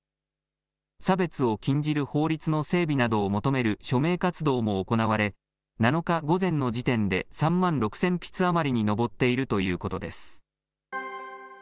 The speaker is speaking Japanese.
差別を禁じる法律の整備などを求める署名活動も行われ、７日午前の時点で３万６０００筆余りに上っているということです。